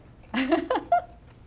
ハハハ。